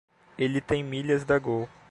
Ele tem milhas da Gol.